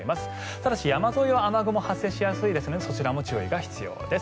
ただし、山沿いは雨雲が発生しやすいのでそちらも注意が必要です。